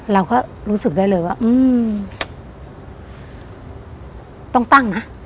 เราก็รู้สึกได้เลยว่าต้องตั้งนะ